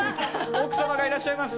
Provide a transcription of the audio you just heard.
奥様がいらっしゃいます！